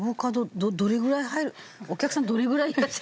お客さんどれぐらいいらっしゃいますかね？